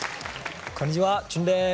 こんにちはＪＵＮです。